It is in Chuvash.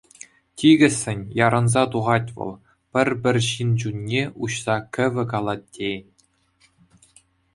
Тикӗссӗн, ярӑнса тухать вӑл, пӗр-пӗр ҫын чунне уҫса кӗвӗ калать тейӗн.